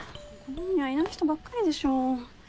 みんないない人ばっかりでしょ。